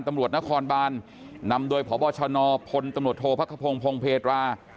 ตำรวจนครบานนำโดยผบชนพตธพพพร